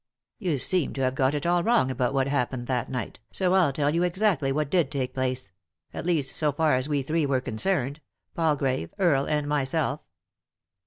"You seem to have got it all wrong about what happened that night, so I'll tell you exactly what did take place ; at least so far as we three were concerned — Palgrave, Earle, and myself."